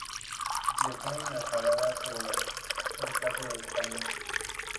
Dejó inacabada su obra "El caso de España".